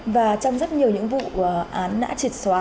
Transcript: và trong rất nhiều những vụ án đã triệt xóa